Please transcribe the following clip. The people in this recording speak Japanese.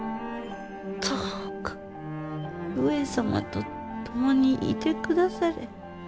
どうか上様と共にいて下され。